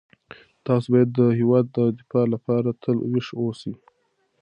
تاسو باید د هیواد د دفاع لپاره تل ویښ اوسئ.